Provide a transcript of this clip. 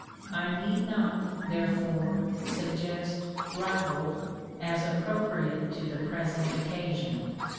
I need not therefore suggest "ribald" as appropriate to the present occasion.